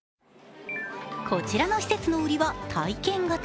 こちらの施設の売りは、体験型。